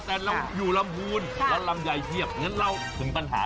มาลำคูณแม่มาลำคูณก็เรียกลำไย